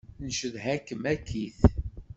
Ncedha-kem akkit.